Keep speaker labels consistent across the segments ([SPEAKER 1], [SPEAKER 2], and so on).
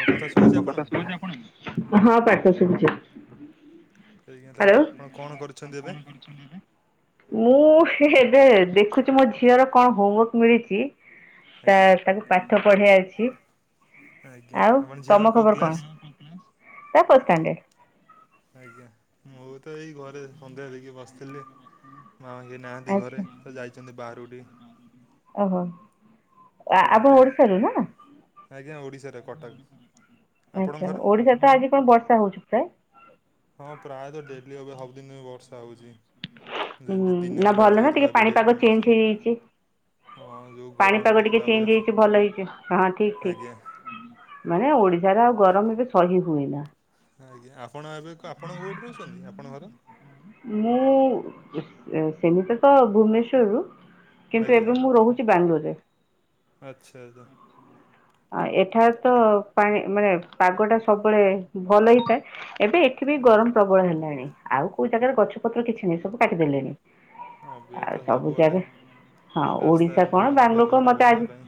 [SPEAKER 1] ମୋ କଥା ଶୁଭୁଛି ଆପଣଙ୍କୁ ସେଇଆ ତାହେଲେ
[SPEAKER 2] ହ୍ୟାଲୋ
[SPEAKER 1] ଆପଣ କଣ କରିଛନ୍ତି ଏବେ?
[SPEAKER 2] ମୁଁ ଏବେ ଦେଖୁଛି ମୋ ଝିଅର କଣ ହୋମ୍ ମିଳିଛି ତା
[SPEAKER 1] ଆଜ୍ଞା
[SPEAKER 2] ତାକୁ ପାଠ ପଢେ଼ଇଆ ଅଛି
[SPEAKER 1] ଆଜ୍ଞା
[SPEAKER 2] ଆଉ
[SPEAKER 1] ଆପଣ ଝିଅଙ୍କ
[SPEAKER 2] ତମ
[SPEAKER 1] କୋଉ
[SPEAKER 2] ଖବର କଣ
[SPEAKER 1] କ୍ଲାସ୍
[SPEAKER 2] ତାର ଫାଷ୍ଟ୍ ଷ୍ଟାଣ୍ଡାର୍ଡ।
[SPEAKER 1] ଆଜ୍ଞା ମୁଁ ତ ଏଇ ଘରେ ସନ୍ଧ୍ୟା ଦେଇକି ବସିଥିଲି ମା ବି ନାହାନ୍ତି
[SPEAKER 2] ଆଚ୍ଛା
[SPEAKER 1] ଘରେ। ତ ଯାଇଛନ୍ତି ବାହାରୁକୁ ଟିକେ।
[SPEAKER 2] ଓହୋ। ଆ- ଆପଣ
[SPEAKER 1] ଆଜ୍ଞା
[SPEAKER 2] ଓଡିଶାରୁ ନା?
[SPEAKER 1] ଆଜ୍ଞା ଓଡ଼ିଶାର କଟକ ଆପଣଙ୍କ
[SPEAKER 2] ଆଚ୍ଛା
[SPEAKER 1] ଘର
[SPEAKER 2] ଓଡିଶା ତ ଆଜି କାଇଁ ବର୍ଷା ହଉଛି ପ୍ରାୟ।
[SPEAKER 1] ହଁ ପ୍ରାୟତଃ ଡେଲି ଏବେ ସବୁଦିନ ବର୍ଷା ହଉଛି।
[SPEAKER 2] ହୁଁ ନା ଭଲ ନା ଟିକେ
[SPEAKER 1] ଏବେ
[SPEAKER 2] ପାଣିପାଗ
[SPEAKER 1] କମିଛି
[SPEAKER 2] ଚେଞ୍ଜ ହେଇଯାଇଛି।
[SPEAKER 1] ହଁ ଯେଉଁ ଗରମ
[SPEAKER 2] ପାଣିପାଗ ଟିକେ
[SPEAKER 1] ହେଉଥିଲା ଏବେ
[SPEAKER 2] ଚେଞ୍ଜ ହେଇଛି ଭଲ ହେଇଛି ହଁ ଠିକ୍ ଠିକ୍।
[SPEAKER 1] ଆଜ୍ଞା
[SPEAKER 2] ମାନେ ଓଡ଼ିଶାର ଗରମବି ସହି ହୁଏ ନା।
[SPEAKER 1] ହଁ ଆଜ୍ଞା ଆପଣ ଏବେ କ ଆପଣ କୋଉଁଠି ରହୁଛନ୍ତି ଆପଣଙ୍କ ଘର?
[SPEAKER 2] ମୁଁ ସେମିତି ତ ଭୁବନେଶ୍ୱରରୁ କିନ୍ତୁ
[SPEAKER 1] ଆଜ୍ଞା
[SPEAKER 2] ଏବେ ମୁଁ ରହୁଛି ବାଙ୍ଗାଲୋରରେ।
[SPEAKER 1] ଆଚ୍ଛା ଆଜା।
[SPEAKER 2] ଆ ଏଠାରେ ତ ପାଣି ମାନେ ପାଗ ଟା ସବୁବେଳେ ଭଲ ହେଇଥାଏ। ଏବେ ଏଠି ବି ଗରମ
[SPEAKER 1] ଆଜ୍ଞା
[SPEAKER 2] ପ୍ରବଳ ହେଲାଣି ଆଉ କୋଉ ଜାଗାରେ ଗଛପତ୍ର କିଛି ନାହିଁ ସବୁ କାଟିଦେଲେଣି।
[SPEAKER 1] ହଁ ଏବେ
[SPEAKER 2] ଆଉ
[SPEAKER 1] ତ
[SPEAKER 2] ସବୁ
[SPEAKER 1] ସବୁଆଡ଼େ
[SPEAKER 2] [unintelligible] ହଁ
[SPEAKER 1] ରାସ୍ତା
[SPEAKER 2] ଓଡ଼ିଶା
[SPEAKER 1] ଏଇନା
[SPEAKER 2] କଣ
[SPEAKER 1] ବନେଇବା ପାଇଁ
[SPEAKER 2] ବାଙ୍ଗାଲୋର କଣ
[SPEAKER 1] ଘର
[SPEAKER 2] ମତେ
[SPEAKER 1] ବନେଇବା
[SPEAKER 2] ଆଜି
[SPEAKER 1] ପାଇଁ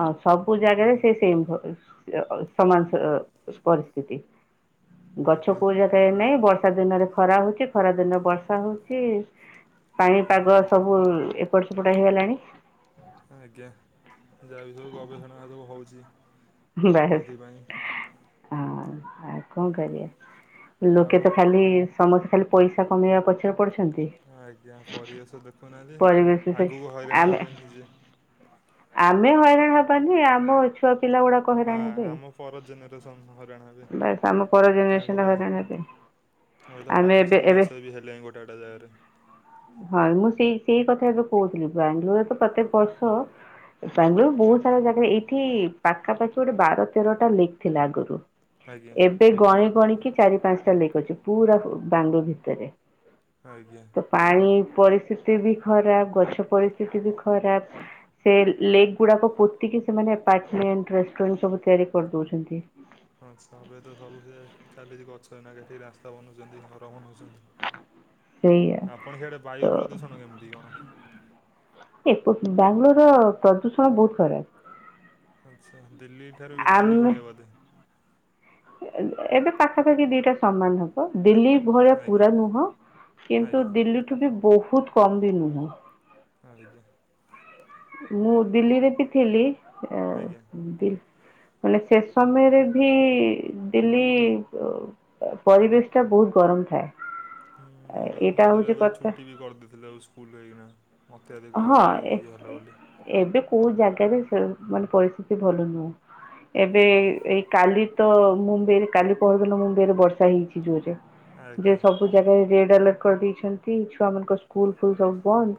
[SPEAKER 2] ହ ସବୁ ଜାଗାରେ ସେ
[SPEAKER 1] ଆଜ୍ଞା
[SPEAKER 2] ସେମ୍ ସମାନ ପରିସ୍ଥିତି। ଗଛ
[SPEAKER 1] ଆଜ୍ଞା
[SPEAKER 2] କୋଉ ଜାଗାରେ ନାହିଁ ବର୍ଷା ଦିନରେ ଖରା ହଉଛି ଖରା ଦିନରେ ବର୍ଷା ହଉଛି। ପାଣି ପାଗ
[SPEAKER 1] ଏଇତ
[SPEAKER 2] ସବୁ ଏପଟ ସେପଟ ହେଇଗଲାଣି।
[SPEAKER 1] ଆଜ୍ଞା ଯାହା ବି ସବୁ ଗବେଷଣା ସବୁ ହଉଛି।
[SPEAKER 2] ବସ୍ ହଁ
[SPEAKER 1] ସେଥିପାଇଁ
[SPEAKER 2] ଆଉ କଣ କରିବା।
[SPEAKER 1] ଆଉ
[SPEAKER 2] ଲୋକେ ତ ଖାଲି ସମସ୍ତେ ଖାଲି ପଇସା କମେଇବା ପଛରେ ପଡୁଛନ୍ତି।
[SPEAKER 1] ହଁ ଆଜ୍ଞା ପରିବେଶ ଦେଖୁନାହାନ୍ତି
[SPEAKER 2] ପରିବେଶ ସେ
[SPEAKER 1] ଆଗକୁ ହଇରାଣ
[SPEAKER 2] ଆମେ
[SPEAKER 1] ହେବେ ନିଯେ।
[SPEAKER 2] ଆମେ ହଇରାଣ ହବାନି ଆମ ଛୁଆ ପିଲା ଗୁଡାକ
[SPEAKER 1] ହଁ
[SPEAKER 2] ହଇରାଣ
[SPEAKER 1] ହଁ
[SPEAKER 2] ହେବେ
[SPEAKER 1] ଆମ ପର ଜେନେରେସନ୍ ହରିରାଣ ହେ
[SPEAKER 2] ବାସ୍ ଆମ ପର ଜେନେରେସନ
[SPEAKER 1] ତାଙ୍କ ପାଇଁ
[SPEAKER 2] ହଇରାଣ ହେବେ
[SPEAKER 1] ଆର ଏବେତ
[SPEAKER 2] ଆମେ
[SPEAKER 1] ପାଣି
[SPEAKER 2] ଏବେ
[SPEAKER 1] ସମୟ
[SPEAKER 2] ଏବେ
[SPEAKER 1] ସେ ବି ହେଲେଣି ଗୋଟେ। [inaudible] ଜାଗାରେ।
[SPEAKER 2] ହଁ ମୁଁ ସେଇ ସେଇ କଥା କହୁଥିଲି ବାଙ୍ଗଲୋରରେ ତ ପ୍ରତ୍ୟେକ ବର୍ଷ। ବାଙ୍ଗାଲୋର ବହୁତ ସାରା ଜାଗା ଏଇଠି ପାଖାପାଖି ଗୋଟେ ବାର ତେରଟା ଲେକ୍ ଥିଲା ଆଗରୁ।
[SPEAKER 1] ଆଜ୍ଞା।
[SPEAKER 2] ସେ ଗଣି ଗଣିକି ଚାରି ପାଞ୍ଚଟା ଲିକ ଅଛି ପୁରା ବାଙ୍ଗୁ ଭିତରେ।
[SPEAKER 1] ଆଜ୍ଞା।
[SPEAKER 2] ତ ପାଣି ପରିସ୍ଥିତି ବି ଖରାପ ଗଛ ପରିସ୍ଥିତି ବି ଖରାପ। ସେ ଲେଗ ଗୁଡାକ ପୋତିକି ସେମାନେ ପମଣ୍ ରେସ୍ଟୁ ରାଣ୍ଟ ସବୁ ତିଆରି କରିଦଉଛନ୍ତି।
[SPEAKER 1] ଆଛା ଏବେ ତ ସବୁ ସେ ଚାଲିଛି ଗଛ ଏଇନା କାଟିକି ରାସ୍ତା ବନଉଛନ୍ତି ଘର ବନଉଛନ୍ତି।
[SPEAKER 2] ହ
[SPEAKER 1] ଆପଣ ସେଆଡେ ବାୟୁ ପ୍ରଦୂଷଣ କେମିତି କଣ।
[SPEAKER 2] ଏ ବାଙ୍ଗାଲୋର ର ପ୍ରଦୂଷଣ ବହୁତ ଖରାପ।
[SPEAKER 1] ଆଚ୍ଛା ଦିଲ୍ଲୀ ଠାରୁ ବି ଦିଲ୍ଲୀ
[SPEAKER 2] ଆମେ
[SPEAKER 1] ଭଳିଆ ବୋଦେ।
[SPEAKER 2] ଏବେ ପାଖାପାଖି ଦିଟା ସମାନ ହବ ଦିଲ୍ଲୀ ଭଳିଆ
[SPEAKER 1] ଆଜ୍ଞା
[SPEAKER 2] ପୁରା ନୁହଁ କିନ୍ତୁ
[SPEAKER 1] ଆଜ୍ଞା
[SPEAKER 2] ଦିଲ୍ଲୀଠୁ ବି ବହୁତ କମ ବି ନୁହଁ।
[SPEAKER 1] ଆଜ୍ଞା।
[SPEAKER 2] ମୁଁ ଦିଲ୍ଲୀରେ ବି ଥିଲି।
[SPEAKER 1] ଆଜ୍ଞା।
[SPEAKER 2] ଦିଲ୍ ମାନେ ସେ ସମୟରେ ବି ଦିଲ୍ଲୀ ପରିବେଶ ଟା ବହୁତ ଗରମ ଥାଏ।
[SPEAKER 1] ହୁଁ ସେଇତ
[SPEAKER 2] ଏଇଟା
[SPEAKER 1] ମଝିରେ
[SPEAKER 2] ହଉଛି
[SPEAKER 1] ଏବେ
[SPEAKER 2] କଥା
[SPEAKER 1] ଛୁଟି ବି କରିଦେଇଥିଲେ ଆଉ ସ୍କୁଲ ହେଇକିନା। ମୋତେ ଅଧିକ
[SPEAKER 2] ହଁ ଏ
[SPEAKER 1] ପ୍ରଯୋଜ୍ୟ ହେଲା ବୋଲି।
[SPEAKER 2] ଏବେ କୋଉ ଜାଗାରେ ମାନେ ପରିସ୍ଥିତି ଭଲ ନୁହେଁ ଏବେ
[SPEAKER 1] ଆଜ୍ଞା
[SPEAKER 2] ଏଇ କାଲି ତ ମୁମ୍ବାଇରେ କାଲି ପହର ଦିନ ମୁମ୍ବାଇରେ ବର୍ଷା ହେଇଛି ଜୋରରେ ଯେ
[SPEAKER 1] ଆଜ୍ଞା
[SPEAKER 2] ସବୁ ଜାଗାରେ ରେଡ୍ ଆଲର୍ଟ କରିଦେଇଛନ୍ତି ଛୁଆମାନଙ୍କ ସ୍କୁଲ ଫୁଲ ସବୁ ବନ୍ଦ।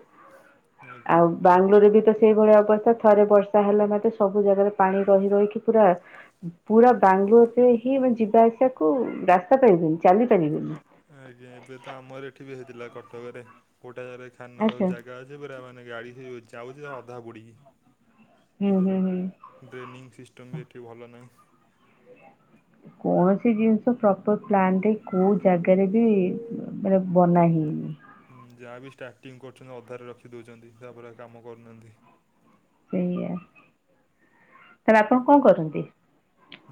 [SPEAKER 1] ଆଜ୍ଞା
[SPEAKER 2] ଆଉ
[SPEAKER 1] ହଁ
[SPEAKER 2] ବାଙ୍ଗଲୋରରେ ବି ତ। ସେଇଭଳି ଅବସ୍ଥା ଥରେ ବର୍ଷା ହେଲା ମାତେ ସବୁ ଜାଗାରେ ପାଣି ରହି ରହିକି ପୁରା ପୁରା ବାଙ୍ଗଲୋରରେ ହିଁ ମାନେ ଯିବା ଆସିବାକୁ ରାସ୍ତା ପାରିବେନି ଚାଲି ପାରିବେନି।
[SPEAKER 1] ଆଜ୍ଞା ଏବେ ତ ଆମର ଏଠି ବି ହେଇଥିଲା କଟକରେ କୋଉଟା ଜାଗାରେ ଖାନ
[SPEAKER 2] ଆଚ୍ଛା।
[SPEAKER 1] ଜାଗା ଅଛି। ପୁରରା ମାନେ ଗାଡି ଯାଉଛି ଅଧା ପୁଡିକି।
[SPEAKER 2] ହୁଁ ହୁଁ ହୁଁ।
[SPEAKER 1] ଡ୍ରେନିଂ ସିଷ୍ଟମ୍ ବି ଏଠି ଭଲ ନାହିଁ।
[SPEAKER 2] କୌଣସି ଜିନିଷ ପ୍ରପର ପ୍ଲାନ ରେ କୋଉ ଜାଗାରେ ବି ମାନେ ବନା ହେଇନି।
[SPEAKER 1] ହଁ ଯାହା ବିି ଷ୍ଟାର୍ଟିଂ କରୁଛନ୍ତି ଅଧାରେ ରଖିଦଉଛନ୍ତି ତାପରେ କାମ କରୁନାହାନ୍ତି।
[SPEAKER 2] ସେଇଆ ତାହେଲେ ଆପଣ କଣ କରଛନ୍ତି।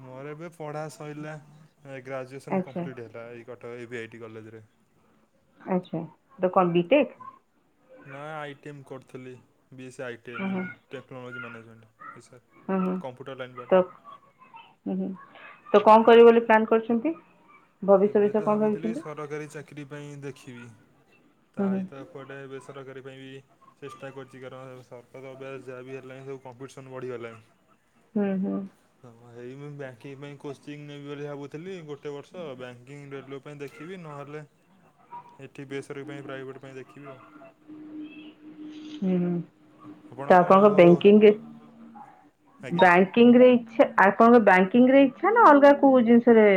[SPEAKER 1] ମୋର ଏବେ ପଢ଼ା ସରିଲା ଗ୍ରାଜୁଏସନ
[SPEAKER 2] ଆଚ୍ଛା
[SPEAKER 1] କମ୍ପ୍ଲିଟ୍ ହେଲା ଏଇ କଟକ ଏବେ ଏଇଟି କଲେଜରେ।
[SPEAKER 2] ଆଚ୍ଛା ତ କଣ ବିଟେକ୍।
[SPEAKER 1] ନା ଆଇଟିମ କରୁଥିଲି ବିଏସି
[SPEAKER 2] ହଁ
[SPEAKER 1] ଆଇଟିଏମ।
[SPEAKER 2] ହଁ
[SPEAKER 1] ଟେକ୍ନୋଲୋଜି ମ୍ୟାନେଜମେଣ୍ଟ ଏ ସାର୍
[SPEAKER 2] ହଁ ହଁ
[SPEAKER 1] କମ୍ପ୍ୟୁଟର ଲାଇନ୍ ପାଠ।
[SPEAKER 2] ତ ହୁଁ ହୁଁ ତ କଣ
[SPEAKER 1] ଆଜ୍ଞା
[SPEAKER 2] କରିବେ ବୋଲି ପ୍ଲନ୍ କରିଛନ୍ତି। ଭବିଷ୍ୟ
[SPEAKER 1] ଏବେ
[SPEAKER 2] ବିଷୟ
[SPEAKER 1] ତ
[SPEAKER 2] କଣ
[SPEAKER 1] ଭାବୁଥିଲି
[SPEAKER 2] ଭାବିଛନ୍ତି?
[SPEAKER 1] ସରକାରୀ ଚାକିରି ପାଇଁ ଦେଖିବି।
[SPEAKER 2] ହୁଁ ହୁଁ।
[SPEAKER 1] ତାଭିତରେ କୁଆଡେ ବେସରକାରୀ ପାଇବି। ଚେଷ୍ଟା କରିଛି କାରଣ ସରକାର ଏବେ ଯାହା ବି ହେଲାଣି ସବୁ କମ୍ପିଟିସନ ବଢିଗଲାଣି।
[SPEAKER 2] ହୁଁ ହୁଁ।
[SPEAKER 1] ହଁ ଏଇ ମୁଁ ବ୍ୟାଙ୍କିଙ୍ଗ ପାଇଁ କୋଚିଂ ନେବି ବୋଲି ଭାବୁଥିଲି ଗୋଟେ ବର୍ଷ ବ୍ୟାଙ୍କିଙ୍ଗ ରେଲୱେ ଦେଖିବି ନହେଲେ ଏଠି ବେସର ପାଇଁ ପ୍ରାଇଭେଟ ପାଇଁ ଦେଖିବା
[SPEAKER 2] ହୁଁ। ହୁଁ
[SPEAKER 1] ଆପଣ
[SPEAKER 2] ତ
[SPEAKER 1] କଣ
[SPEAKER 2] ଆପଣଙ୍କ
[SPEAKER 1] ଆଜ୍ଞା
[SPEAKER 2] ବ୍ୟାଙ୍କିଙ୍ଗ ବ୍ୟାଙ୍କ ବ୍ୟାଙ୍କିଙ୍ଗ ରେ ଇଛା ଆଉ କଣ ଅଲଗା କଣ ବ୍ୟାଙ୍କିଙ୍ଗ ରେ ଇଚ୍ଛା ନା ଅଲଗା କୋଉ ଜିନିଷରେ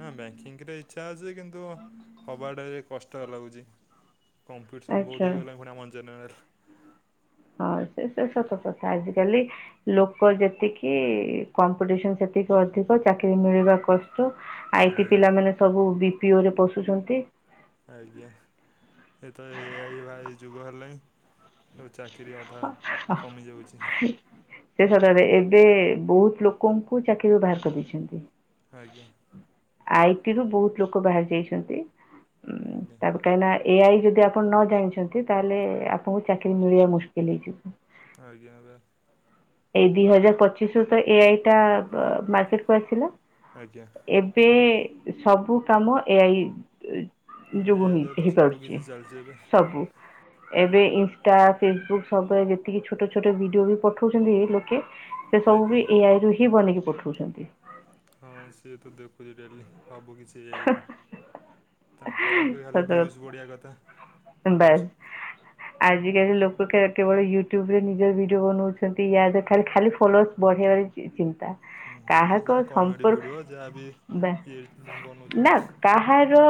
[SPEAKER 1] ହଁ ବ୍ୟାଙ୍କିଙ୍ଗ ରେ ଇଚ୍ଛା ଅଛି କିନ୍ତୁ, ହବାଟା ବି କଷ୍ଟ ଲାଗୁଛି। କମ୍ପିଟିସନ୍
[SPEAKER 2] ଆଚ୍ଛା
[SPEAKER 1] ବହୁତ ହେଇଗଲାଣି ଫୁଣି ଆମର ଜେନେରାଲ
[SPEAKER 2] ହଁ ସେ ତ ସତ କଥା ଆଜିକାଲି ଲୋକ ଯେତିକି କମ୍ପିଟିସନ ସେତିକି ଅଧିକ ଚାକିରି ମିଳିବା କଷ୍ଟ ଆଇ-ଟି
[SPEAKER 1] ଆଜ୍ଞା
[SPEAKER 2] ପିଲାମାନେ ସବୁ ବି ପିଓରେ ପଶୁଛନ୍ତି।
[SPEAKER 1] ଆଜ୍ଞା। ଏ ତ ଏ-ଆ-ଇ ଭାଇ ଯୁଗ ହେଲାଣି ସବୁ ଚାକିରି ଅଧା
[SPEAKER 2] ଅ ଅ
[SPEAKER 1] କମିଯାଉଛି
[SPEAKER 2] ଶେଷଟାରେ ଏବେ ବହୁତ ଲୋକଙ୍କୁ ଚାକିରିରୁ ବାହାର କରିଦେଇଛନ୍ତି।
[SPEAKER 1] ଆଜ୍ଞା।
[SPEAKER 2] ଆଇଟିରୁୁ ବହୁତ ଲୋକ ବାହାରି ଯାଇଛନ୍ତି ଉ
[SPEAKER 1] ଆଜ୍ଞା
[SPEAKER 2] ତା କହିଁକି ନା ଏଆଇ ଯଦି ଆପଣ ନ ଜାଣିଛନ୍ତି ତାହେଲେ ଆପଣଙ୍କୁ ଚାକିରି ମିଳିବା ମୁସ୍କିଲ୍ ହେଇଯିବ।
[SPEAKER 1] ଆଜ୍ଞା ଆଜ୍ଞା।
[SPEAKER 2] ଏଇ ଦି ହଜାର ପଚିଶ ରୁ ତ ଏ ଆଇ ଟା ମାର୍କେଟ କୁ ଆସିଲା।
[SPEAKER 1] ଆଜ୍ଞା।
[SPEAKER 2] ଏବେ ସବୁ କାମ ଏ ଆଇ ଯୋଗ
[SPEAKER 1] ଏଇଆ
[SPEAKER 2] ହେଇ
[SPEAKER 1] ଦ୍ୱାରା ତ ସବୁ
[SPEAKER 2] ହେଇପାରୁଛି
[SPEAKER 1] କିିଛି ଚାଲିଛି ଏବେ
[SPEAKER 2] ସବୁ ଏବେ ଏ ଟା ଫେସବୁକ୍ ସବୁଳେ ଯେତିକି ଛୋଟ ଛୋଟ ଭିଡିଓ ବି ପଠଉଛନ୍ତି ଲୋକେ ସେ ସବୁ
[SPEAKER 1] ଆଜ୍ଞା
[SPEAKER 2] ବି ଏଇଆଇ ରୁ ହିଁ ବନେଇକି ପଠଉଛନ୍ତି।
[SPEAKER 1] ହଁ ସିଏ ତ ଦେଖୁଛି ଡେଲି ହବୁ କିଛି ଏ ଆଇ ରୁ ତାଙ୍କର ଖାଲି
[SPEAKER 2] ସତ
[SPEAKER 1] ଭିଉଜ ବଢିଆ କଥା ଫଲୋସ
[SPEAKER 2] ବାସ୍ ଆଜିକାଲି ଲୋକ କେ କେବଳ ୟୁଟ୍ୟୁବ ରେ ନିଜର ଭିଡିଓ ବନଉଛନ୍ତି ୟା ଖାଲି ଖାଲି ଫଲୋର୍ ବଢାଇ ଚିନ୍ତା
[SPEAKER 1] ଯ
[SPEAKER 2] କାହାକୁ
[SPEAKER 1] ଯାହା କମେଡ଼ି ଭିଡ଼ିଓ
[SPEAKER 2] ସମ୍ପର୍କ
[SPEAKER 1] ଯାହା ବି ଇଏ
[SPEAKER 2] ନା
[SPEAKER 1] ବନଉଛନ୍ତି
[SPEAKER 2] କାହାର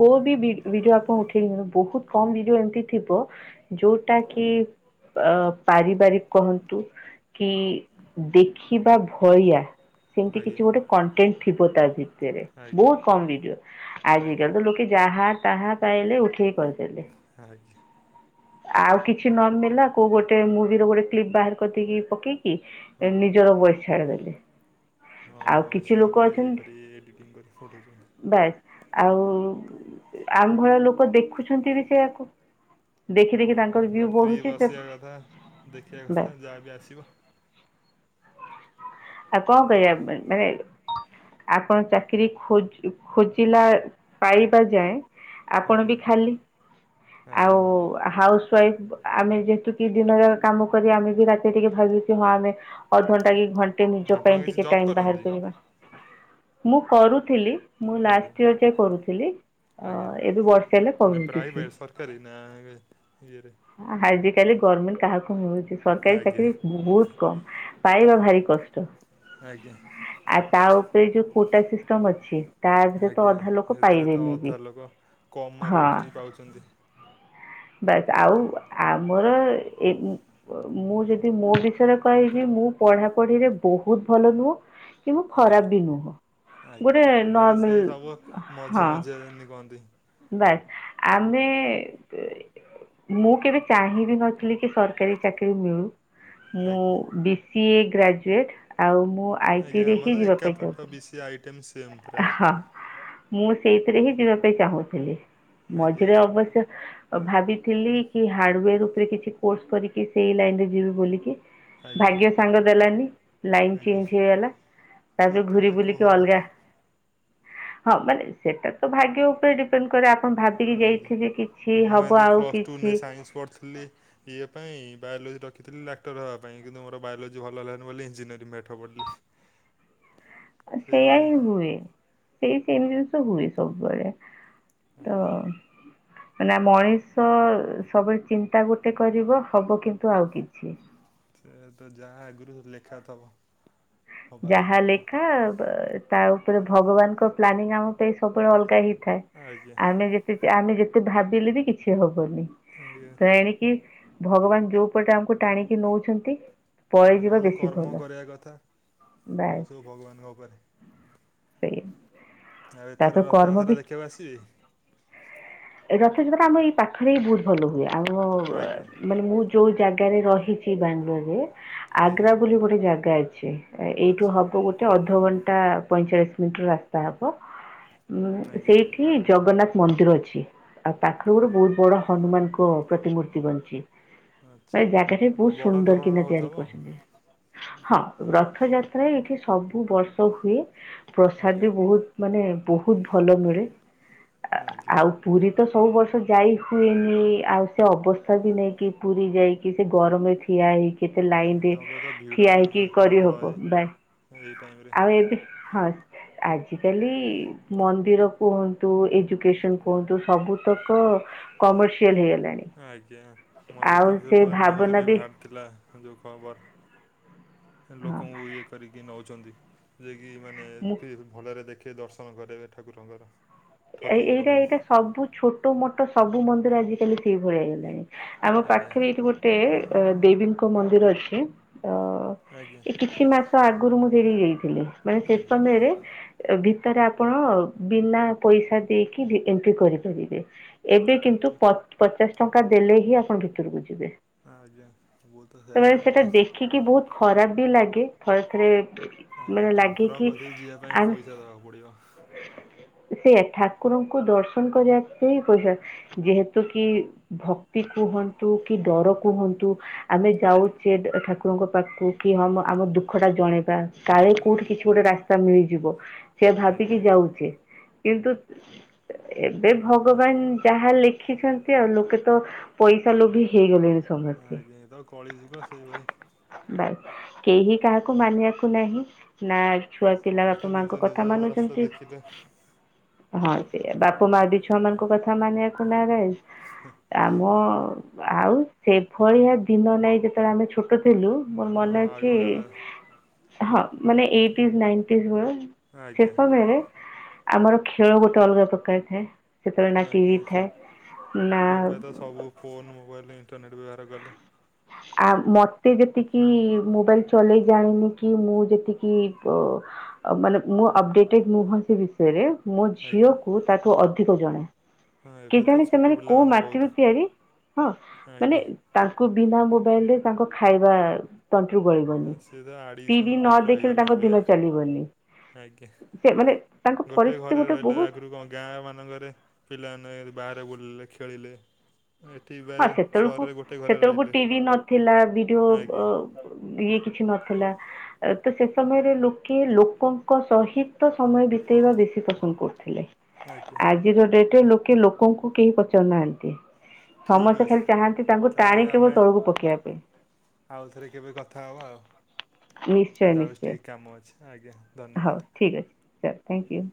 [SPEAKER 2] କୋଉ ବି ଭିଡିଓ ଆପଣ ଉଠେଇିବେନି ବହୁତ କମ ଭିଡିଓ ଏମିତି ଥିବ ଯୋଉଟା କି ଆ ପାରିବାରିକ କୁହନ୍ତୁ କି ଦେଖିବା ଭଇଆ ସେମିତି
[SPEAKER 1] ଆଜ୍ଞା
[SPEAKER 2] କିଛି ଗୋଟେ କଣ୍ଟେଣ୍ଟ ଥିବ ତା ଭିତରେ
[SPEAKER 1] ଆଜ୍ଞା
[SPEAKER 2] ବହୁତ କମ ଭିଡିଓ
[SPEAKER 1] ଆଜ୍ଞା
[SPEAKER 2] ଆଜିକାଲି ତ ଲୋକେ ଯାହା ତାହା ପାଇଲେ ଉଠେଇ ପ ତିଲେ
[SPEAKER 1] ଆଜ୍ଞା ଆଜ୍ଞା
[SPEAKER 2] ଆଉ କିଛି ନ ମ ନେଲା କୋଉ ଗୋଟେ ମୁଭି ର ଗୋଟେ କ୍ଲିପ ବାହାର କରିଦେଇକି ପକେଇ କି
[SPEAKER 1] ହଁ
[SPEAKER 2] ନିଜର ବୟସ ଛାଡ଼ିଦେଲେ।
[SPEAKER 1] ହଁ
[SPEAKER 2] ଆଉ
[SPEAKER 1] ଭଏସ୍
[SPEAKER 2] କିଛି
[SPEAKER 1] ବି
[SPEAKER 2] ଲୋକ
[SPEAKER 1] ଏବେ ଇଏ
[SPEAKER 2] ଅଛନ୍ତି
[SPEAKER 1] କରି ଏଡ଼ିଟିଂ କରି ପଠଉଛନ୍ତି।
[SPEAKER 2] ବାସ୍ ଆଉ ଆମ୍ଭ ଭଳିଆ ଲୋକ ଦେଖୁଛନ୍ତି ବି ସେୟାକୁ। ଦେଖି ଦେଖି
[SPEAKER 1] ହଁ
[SPEAKER 2] ତାଙ୍କର ଭ୍ୟୁ
[SPEAKER 1] ମେ ଫି
[SPEAKER 2] ବଢୁଛି ସେ
[SPEAKER 1] ବସିବା କଥା ଦେଖିବା
[SPEAKER 2] ବାସ୍
[SPEAKER 1] କଥା ଯାହାବି ଆସିବ
[SPEAKER 2] ଆଉ କଣ କହିବା
[SPEAKER 1] ଆଜ୍ଞା
[SPEAKER 2] ମାନେ ଆପଣ ଚାକିରି ଖୋ ଖୋଜିଲା ପାଇବା ଯାଏ ଆପଣ
[SPEAKER 1] ଆଜ୍ଞା
[SPEAKER 2] ବି ଖାଲି ଆଉ
[SPEAKER 1] ଆଜ୍ଞା
[SPEAKER 2] ହାଉସ ୱାଇଫ ଆମେ ଯେହେତୁ କିି ଦିନରେ କାମ କରି ଆମେ ବି ରାତିରେ ଟିକେ ଭାବୁ କି ହଁ ଆମେ ଅଧଣ୍ଟା କି ଘଣ୍ଟେ ନିଜ
[SPEAKER 1] ଆପଣ
[SPEAKER 2] ପାଇଁ
[SPEAKER 1] କିଛି
[SPEAKER 2] ଟିକେ
[SPEAKER 1] ଜବ୍
[SPEAKER 2] ଟାଇମ୍ ବାହାର
[SPEAKER 1] କରନ୍ତି?
[SPEAKER 2] କରିବା ମୁଁ କରୁଥିଲି ମୁଁ
[SPEAKER 1] ଆଜ୍ଞା
[SPEAKER 2] ଲାଷ୍ଟ ଇୟର ଯାଏ କରୁଥିଲି। ଅ
[SPEAKER 1] ଆଜ୍ଞା।
[SPEAKER 2] ଏବେ ବର୍ଷେ ହେଲା
[SPEAKER 1] ମାନେ
[SPEAKER 2] କରୁନି କିଛି
[SPEAKER 1] ପ୍ରାଇଭେଟ ସରକାରୀ ନା ଇଏ ରେ
[SPEAKER 2] ଆଜି କାଲି ଗଭମେଣ୍ଟ କାହାକୁ ମିଳୁଛି ସରକାରୀ
[SPEAKER 1] ଆଜ୍ଞା
[SPEAKER 2] ଚାକିରୀ ବହୁତ କମ ପାଇବା ଭାରି କଷ୍ଟ।
[SPEAKER 1] ଆଜ୍ଞା।
[SPEAKER 2] ଆ ତା ଉପରେ ଯୋଉ କୋଟା ସିଷ୍ଟମ ଅଛି। ତା ଦେହେରେ ତ
[SPEAKER 1] ଆଜ୍ଞା
[SPEAKER 2] ଅଧା ଲୋକ
[SPEAKER 1] ସେଥିରେ ତ
[SPEAKER 2] ପାଇବେନି ବି ହଁ।
[SPEAKER 1] ପାାଉଛନ୍ତି।
[SPEAKER 2] ବାସ ଆଉ ଆମର ଏ ମୁଁ ଯଦି ମୋ ବିଷୟରେ କହିବି ମୁଁ ପଢାପଢିରେ ବହୁତ ଭଲ ନୁହଁ କି ମୁଁ ଖରାପ
[SPEAKER 1] ଆଜ୍ଞା।
[SPEAKER 2] ବି ନୁହଁ। ଗୋଟେ
[SPEAKER 1] ଆଜ୍ଞା ଆମେ ତ ସେଇ ସବୁ
[SPEAKER 2] ନର୍ମାଲ ହଁ
[SPEAKER 1] ମଝି ମଝିଆ ଯେମତି କୁହନ୍ତି।
[SPEAKER 2] ବାସ୍ ଆମେ ମୁଁ କେବେ ଚାହିଁବି ନଥିଲି କି ସରକାରୀ ଚାକିରି ମିଳୁ ମୁଁ
[SPEAKER 1] ଆଜ୍ଞା।
[SPEAKER 2] ବିସିଏ ଗ୍ରାଜୁଏଟ୍ ଆଉ ମୁଁ
[SPEAKER 1] ଆଜ୍ଞା
[SPEAKER 2] ଆଇଟିରେ ହିଁ
[SPEAKER 1] ଆମର
[SPEAKER 2] ଯିବା
[SPEAKER 1] ଏକା
[SPEAKER 2] ପାଇଁ
[SPEAKER 1] ପାଠ
[SPEAKER 2] ଚାହୁଁଥିଲି
[SPEAKER 1] ବିସିଏ ଆଇଟିଏମ୍ ସିଏମ୍
[SPEAKER 2] ହଁ ମୁଁ ସେଇଥିରେ ହିଁ ଯିବା ପାଇଁ ଚାହୁଁଥିଲି
[SPEAKER 1] ଆଜ୍ଞା
[SPEAKER 2] ମଝିରେ ଅବଶ୍ୟ ଭାବିଥିଲି କି ହାର୍ଡ଼ୱେର ଉପରେ କିଛି କୋର୍ସ କରିକି ସେଇ ଲାଇନ ରେ ଯିବି ବୋଲିକି।
[SPEAKER 1] ଆଜ୍ଞା।
[SPEAKER 2] ଭାଗ୍ୟ ସାଙ୍ଗ ଦେଲାନି ଲାଇନ୍
[SPEAKER 1] ଆଜ୍ଞା
[SPEAKER 2] ଚେଞ୍ଜ ହେଇଗଲା ତାପରେ ଘୁରି
[SPEAKER 1] କେତେବେଳେ କଣ
[SPEAKER 2] ବୁଲିକି
[SPEAKER 1] ହବ
[SPEAKER 2] ଅଲଗା ହଁ ମାନେ ସେଟା ତ ଭାଗ୍ୟ ଉପରେ ଡିପ୍ ପେନ କରେ ଆପଣ ଭାବିକି
[SPEAKER 1] ଆଜ୍ଞା
[SPEAKER 2] ଯାଇଥିବେ କିଛି ହବ ଆଉ କିଛି
[SPEAKER 1] କରିଥିଲି। ଇଏ ପାଇଁ ବାୟୋଲୋଜି ରଖିଥିଲି ଡାକ୍ତର ହବା ପାଇଁ କିନ୍ତୁ ମୋର ବାୟୋଲୋଜି ଭଲ ହେଲାନି ବୋଲି ଇଞ୍ଜିନିୟରିଂ ପାଠ ପଢିଲି।
[SPEAKER 2] ସେଇୟା ହିଁ ହୁଏ ସେଇ ସେମ ଜିନିଷ ହୁଏ ସବୁବେଳେ। ଓ
[SPEAKER 1] ଆଜ୍ଞା
[SPEAKER 2] ଅ। ହେରା ମଣିଷ ସବୁବେଳେ ଚିନ୍ତା ଗୋଟେ କରିବ ହବ କିନ୍ତୁ ଆଉ କିଛି।
[SPEAKER 1] ସେୟାତ ଯାହା ଆଗରୁ ଲେଖା ଥବ। ହବା
[SPEAKER 2] ଯାହା
[SPEAKER 1] କଥା ହବ
[SPEAKER 2] ଲେଖା ତା ଉପରେ ଭଗବାନଙ୍କ ପ୍ଲାନିଂ ଆମ ପାଇଁ ସବୁବେଳେ ଅଲଗା ହେଇ ଥାଏ
[SPEAKER 1] ଆଜ୍ଞା
[SPEAKER 2] ଆମେ ଯେତେ ଯା ଆମେ ଯେତେ ଭାବିଲେ ବି କି କିଛି ହବନି
[SPEAKER 1] ଆଜ୍ଞା
[SPEAKER 2] ତ ଏଣିକି ଭଗବାନ ଯଉ ପଟେ ଆମକୁ ଟାଣିକି ନଉଛନ୍ତି
[SPEAKER 1] ଆମେ
[SPEAKER 2] ପଳେଇଯିବା
[SPEAKER 1] ଖାଲି
[SPEAKER 2] ବେଶୀ
[SPEAKER 1] କର୍ମ
[SPEAKER 2] ଭଲ
[SPEAKER 1] କରିବା କଥା ଆଉ ସବୁ ଭଗବାନଙ୍କ ଉପରେ।
[SPEAKER 2] ସେଇ।
[SPEAKER 1] ଆଉ ଏଥର ରଥଯାତ୍ରା ଦେଖିବାକୁ ଆସିବେ?
[SPEAKER 2] ରଥଯାତ୍ରାଟା ଆମ ଏଇ ପାଖରେ ବିି ବହୁତ ଭଲ ହୁଏ ଆମ
[SPEAKER 1] ଆଜ୍ଞା
[SPEAKER 2] ମାନେ ମୁଁ ଯୋଉ ଜାଗାରେ ରହିଛି ବାଙ୍ଗଲୋରରେ
[SPEAKER 1] ଆଜ୍ଞା
[SPEAKER 2] ଆଗ୍ରା ବୋଲି ଗୋଟେ ଜାଗା ଅଛି ଏଇଠୁ
[SPEAKER 1] ଆଚ୍ଛା
[SPEAKER 2] ହବ ଗୋଟେ ଅଧଘଣ୍ଟା ପଇଁଚାଳିଶ ମିନିଟ ର ରାସ୍ତା ହବ ଉଁ
[SPEAKER 1] ଆଜ୍ଞା
[SPEAKER 2] ସେଇଠି ଜଗନ୍ନାଥ ମନ୍ଦିର ଅଛି ଆଉ ପାଖରେ ଗୋଟେ ବହୁତ ବଡ ହନୁମାନଙ୍କ ପ୍ରତିମୂର୍ତ୍ତି ବନିଛି
[SPEAKER 1] ଆଚ୍ଛା
[SPEAKER 2] ବାକି ଜାଗା ବହୁତ
[SPEAKER 1] ବଡ଼
[SPEAKER 2] ସୁନ୍ଦର
[SPEAKER 1] ଧରଣର
[SPEAKER 2] କିନା ତିଆରି
[SPEAKER 1] ହେଉଥିବ
[SPEAKER 2] କରିସନ୍ତି। ହଁ ରଥଯାତ୍ରା ଏଇଠି ସବୁ ବର୍ଷ ହୁଏ ପ୍ରସାଦ
[SPEAKER 1] ଆଜ୍ଞା
[SPEAKER 2] ବି ବହୁତ ମାନେ ବହୁତ ଭଲ ମିଳେ
[SPEAKER 1] ଆଜ୍ଞା
[SPEAKER 2] ଆଉ ପୁରୀ ତ ସବୁ ବର୍ଷ ଯାଇ ହୁଏନି ଆଉ ସେ ଅବସ୍ଥା ବି ନାଇଁକି ପୁରୀ ଯାଇକି ସେ ଗରମରେ ଠିଆହେଇକି କେତେ ଲାଇନ ରେ
[SPEAKER 1] ଆଜ୍ଞା ଏବେ ତ ଭିଡ଼
[SPEAKER 2] ଠିଆ
[SPEAKER 1] ବି
[SPEAKER 2] ହେଇକି
[SPEAKER 1] ପ୍ରବଳ
[SPEAKER 2] କରିହବ
[SPEAKER 1] ଏଇ
[SPEAKER 2] ବାଏ
[SPEAKER 1] ଏଇ ଟାଇମରେ
[SPEAKER 2] ଆଉ ଏବେ ହଁ ଆଜିକାଲି ମନ୍ଦିର କୁହନ୍ତୁ ଏଜୁକେସନ କୁହନ୍ତୁ ସବୁତକ କମର୍ସିଆଲ ହେଇଗଲାଣି।
[SPEAKER 1] ଆଜ୍ଞା ମଝିରେ
[SPEAKER 2] ଆଉ
[SPEAKER 1] ତ
[SPEAKER 2] ସେ
[SPEAKER 1] ପେପର ନ୍ୟୁଜରେ
[SPEAKER 2] ଭାବନା
[SPEAKER 1] ବି ବାହାରି ଥିଲା ଯୋଉ ଖବର
[SPEAKER 2] ହଁ
[SPEAKER 1] ଲୋକଙ୍କୁ ଇଏ କରିକି ନଉଛନ୍ତି ଯେକି ମାନେ
[SPEAKER 2] ମୁଁ
[SPEAKER 1] ଫିର ଭଲରେ ଦେଖେଇ ଦର୍ଶନ କରେଇବେ ଠାକୁରଙ୍କର।
[SPEAKER 2] ଏ
[SPEAKER 1] ଠକିକି
[SPEAKER 2] ଏଇଟା
[SPEAKER 1] ଲୋକଙ୍କୁ।
[SPEAKER 2] ଏଇଟା ସବୁ ଛୋଟ ମୋଟ ସବୁ ମନ୍ଦିର ଆଜିିକାଲି ସେଇଭଳିଆ ହେଇଗଲାଣି। ଆମ
[SPEAKER 1] ଆଜ୍ଞା
[SPEAKER 2] ପାଖରେ ଏଇଠି ଗୋଟେ ଅ ଦେବୀଙ୍କ ମନ୍ଦିର ଅଛି ଅ ଅ
[SPEAKER 1] ଆଜ୍ଞା
[SPEAKER 2] ଏ କିଛି ମାସ ଆଗରୁ ମୁଁ ସେଠିକି ଯାଇଥିଲି ମାନେ
[SPEAKER 1] ଆଜ୍ଞା
[SPEAKER 2] ସେସମୟ ରେ ଏ ଭିତରେ ଆପଣ ବିନା ପଇସା ଦେଇକି ବି ଏଣ୍ଟ୍ରି କରିପାରିବେ। ଏବେ କିନ୍ତୁ ପ ପଚାଶ ଟଙ୍କା ଦେଲେ ହିଁ ଆପଣ ଭିତରକୁ ଯିବେ।
[SPEAKER 1] ହଁ ଆଜ୍ଞା ବୁ ତ ସେଇୟା
[SPEAKER 2] ସେମାନେ ସେଟା
[SPEAKER 1] ହେଇଗଲାଇଁ।
[SPEAKER 2] ଦେଖିକି ବହୁତ ଖରାପ ବି ଲାଗେ ଥରେ ଥରେ
[SPEAKER 1] ଆଜ୍ଞା
[SPEAKER 2] ମାନେ ଲାଗେ
[SPEAKER 1] ଠାକୁରଙ୍କ
[SPEAKER 2] କି
[SPEAKER 1] କଥିକୁ ଯିବା ପାଇଁ ପଇସା ଦବାକୁ ପଡିବ।
[SPEAKER 2] ସେୟା ଠାକୁରଙ୍କୁ ଦର୍ଶନ କରିବା ସେ ପଇସା ଯେହେତୁ କି ଭକ୍ତି କୁହନ୍ତୁ କି ଡର କୁହନ୍ତୁ ହା ଆମେ ଯାଉଛେ ଠାକୁରଙ୍କ ପାଖକୁ କି ହମ ଆମ ଦୁଃଖ ଟା ଜଣେଇବା କାଳେ
[SPEAKER 1] ଆଜ୍ଞା
[SPEAKER 2] କୋଉଠି କିଛି ଆ ଗୋଟେ ରାସ୍ତା ମିଳିଯିବ ସେୟା
[SPEAKER 1] ଆଜ୍ଞା
[SPEAKER 2] ଭାବିକି ଯାଉଚେ। କିନ୍ତୁ ଏବେ ଭଗବାନ ଯାହା ଲେ ଦେଖିଛନ୍ତି ଆଉ ଲୋକେ ତ ପଇସା ଲୋଭି ହେଇଗଲେଣି।
[SPEAKER 1] ହଁ
[SPEAKER 2] ସମସ୍ତେ
[SPEAKER 1] ଆଜ୍ଞା ଏଇ ତ କଳି ଯୁଗ ସେଇଭଳି
[SPEAKER 2] ବାସ୍ କେହି କାହାକୁ ମାନିବାକୁ ନାହିଁ। ନା ଛୁଆ ପିଲା
[SPEAKER 1] ସମସ୍ତେ
[SPEAKER 2] ବାପା
[SPEAKER 1] ନିଜ
[SPEAKER 2] ମାଙ୍କୁ
[SPEAKER 1] ନିଜ
[SPEAKER 2] କଥା
[SPEAKER 1] ରାସ୍ତା
[SPEAKER 2] ମାନୁଛନ୍ତି।
[SPEAKER 1] ଦେଖିଲେ
[SPEAKER 2] ହଁ ସେୟ ବାପା ମା ବି ଛୁଆ ମାନଙ୍କ କଥା ମାନିବାକୁ ନାରାଜ ଆମ ଆଉ ସେଭଳିଆ ଦିନ ନାଇଁ ଯେତେବେଳେ ଆମେ ଛୋଟ ଥିଲୁ। ମୋର
[SPEAKER 1] ହଁ
[SPEAKER 2] ମନେ
[SPEAKER 1] ଆଗ
[SPEAKER 2] ଅଛି
[SPEAKER 1] କାଳ
[SPEAKER 2] ଇ ହଁ ମାନେ ଏଇଟି ନାଇଟି ବେଳେ
[SPEAKER 1] ଆଜ୍ଞା
[SPEAKER 2] ଶେଷବେଳେ ଆମର ଖେଳ ଗୋଟେ ଅଲଗା ପ୍ରକାର ଥାଏ ସେତେବେଳେ ନା
[SPEAKER 1] ଆଜ୍ଞା
[SPEAKER 2] ଟିଭି ଥାଏ ନା
[SPEAKER 1] ଫୋନ ମୋବାଇଲ ଇଣ୍ଟରନେଟ ବ୍ଯଵହାର କଲେ।
[SPEAKER 2] ଆ ମତେ ଯେତିକି ମୋବାଇଲ ଚଲେଇ ଜାଣିନି କି ମୁଁ ଯେତିକି ପ ଆ ମାନେ ମୁଁ ଅପଡେଟେ ମୁଁ ସେ ବିଷୟରେ ମୋ
[SPEAKER 1] ଆଜ୍ଞା
[SPEAKER 2] ଝିଅକୁ ତାଠୁ ଅଧିକ ଜଣା।
[SPEAKER 1] ହଁ
[SPEAKER 2] କି
[SPEAKER 1] ଏବେ ତ
[SPEAKER 2] ଜଣେ
[SPEAKER 1] ଛୋଟ
[SPEAKER 2] ସେମାନେ କୋଉ
[SPEAKER 1] ପିଲାମାନେ
[SPEAKER 2] ମାଟିରୁ
[SPEAKER 1] ବହୁତ
[SPEAKER 2] ତିଆରି ହଁ ମାନେ
[SPEAKER 1] ଆଜ୍ଞା
[SPEAKER 2] ତାଙ୍କୁ ବିନା ମୋବାଇଲ ରେ ତାଙ୍କ ଖାଇବା। ତଣ୍ଟିରୁ ଗଳିବନି
[SPEAKER 1] ହଁ ସିଏ ତ
[SPEAKER 2] ଟିଭି
[SPEAKER 1] ଆଡ଼ିସନ୍
[SPEAKER 2] ନ
[SPEAKER 1] ଟାଇପ୍ ର
[SPEAKER 2] ଦେଖିଲେ
[SPEAKER 1] ହେଇଗଲେ
[SPEAKER 2] ତାଙ୍କ
[SPEAKER 1] ଅବିକା
[SPEAKER 2] ଦିନ ଚାଲିବନି।
[SPEAKER 1] ଆଜ୍ଞା
[SPEAKER 2] ସେ ମାନେ ତାଙ୍କ ପରିସ୍ଥିତି
[SPEAKER 1] ଘରେ
[SPEAKER 2] ଗୋଟେ
[SPEAKER 1] ରହିଲେ
[SPEAKER 2] ବହୁତ
[SPEAKER 1] ଆଗରୁ କଣ ଗାଁ ମାନଙ୍କରେ ପିଲାମାନେ ବାହାରେ ବୁଲିଲେ ଖେଳିଲେ। ଏଥି ବେ
[SPEAKER 2] ହଁ ସେତେବେଳକୁ ସେତେବେଳକୁ ଟିଭି ନଥିଲା ଭିଡିଓ ଅ
[SPEAKER 1] ଆଜ୍ଞା
[SPEAKER 2] ଇଏ କିଛି ନଥିଲା। ତ ସେ ସମୟରେ ଲୋକେ ଲୋକଙ୍କ ସହିତ ସମୟ ବିତେଇବା ବେଶୀ ପସନ୍ଦ କରୁଥିଲେ।
[SPEAKER 1] ଆଜ୍ଞା।
[SPEAKER 2] ଆଜିର ଡେଟ ରେ ଲୋକେ ଲୋକଙ୍କୁ କେହି ପଚାରୁନାହାନ୍ତି।
[SPEAKER 1] ଠିକ୍
[SPEAKER 2] ସମସ୍ତେ
[SPEAKER 1] ଅଛି
[SPEAKER 2] ଖାଲି ଚାହାନ୍ତି ତାଙ୍କୁ
[SPEAKER 1] ତାହେଲେ
[SPEAKER 2] ଟାଣି
[SPEAKER 1] ଆମେ
[SPEAKER 2] କେବଳ ତଳକୁ ପକେଇବା ପାଇଁ।
[SPEAKER 1] ଆଉଥରେ କେବେ କଥା ହେବା
[SPEAKER 2] ନିଶ୍ଚୟ
[SPEAKER 1] ଆଉ ଯାଉଛି
[SPEAKER 2] ନିଶ୍ଚୟ
[SPEAKER 1] ଟିକେ କାମ ଅଛି ଆଜ୍ଞା।
[SPEAKER 2] ହଉ
[SPEAKER 1] ଧନ୍ୟବାଦ
[SPEAKER 2] ଠିକ୍ ଅଛି ଚାଲ ଥ୍ୟାଙ୍କୟୁ।